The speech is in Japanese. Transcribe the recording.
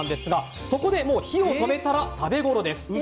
そこで火を止めたら食べごろです。